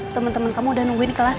temen temen kamu udah nungguin kelas